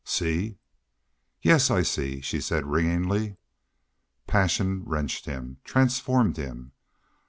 "See?" "Yes, I see," she said, ringingly. Passion wrenched him, transformed him.